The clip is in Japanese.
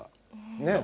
ねえ。